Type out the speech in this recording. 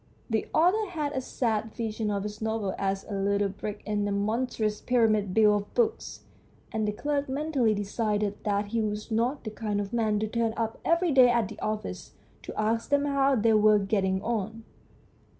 The author had a sad vision of his novel as a little brick in a monstrous pyramid built of books, and the clerk mentally decided that he was not the kind of man to turn up every day at the office to ask them how they were getting on.